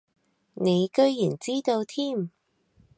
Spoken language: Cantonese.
你居然知道添